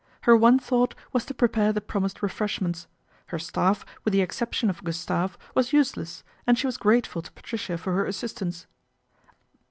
Her one thought was to prepare the promised refreshments. Her staff, with the exception of Gustave, was useless, and she was grateful to Patricia for her assistance.